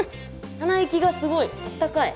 鼻息がすごいあったかい。